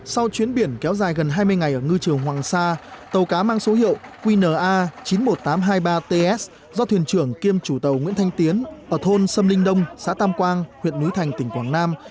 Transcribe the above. sau chuyến biển kéo dài gần hai mươi ngày ở ngư trường hoàng sa tàu cá mang số hiệu qna chín mươi một nghìn tám trăm hai mươi ba ts do thuyền trưởng kiêm chủ tàu nguyễn thanh tiến ở thôn sâm linh đông xã tam quang huyện núi thành tỉnh quảng nam